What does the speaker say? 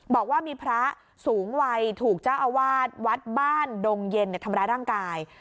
บอกว่ามีพระสูงวัยถูกเจ้าอาวาสวัดบ้านดงเย็นทำร้ายร่างกาย